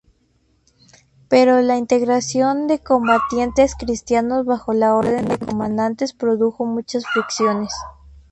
Pero la integración de combatientes cristianos bajo las órdenes de comandantes produjo muchas fricciones.